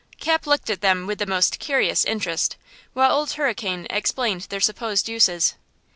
Cap looked at them with the most curious interest, while Old Hurricane explained their supposed uses.